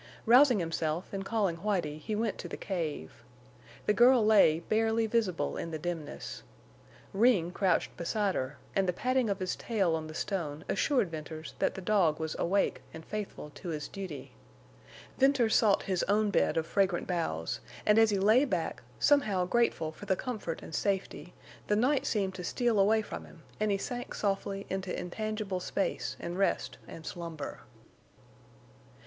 Rousing himself and calling Whitie, he went to the cave. The girl lay barely visible in the dimness. Ring crouched beside her, and the patting of his tail on the stone assured Venters that the dog was awake and faithful to his duty. Venters sought his own bed of fragrant boughs; and as he lay back, somehow grateful for the comfort and safety, the night seemed to steal away from him and he sank softly into intangible space and rest and slumber.